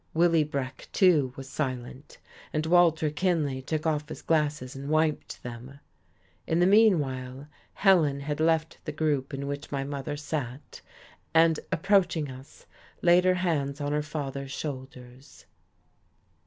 Willie Breck, too, was silent, and Walter Kinley took off his glasses and wiped them. In the meanwhile Helen had left the group in which my mother sat, and, approaching us, laid her hands on her father's shoulders.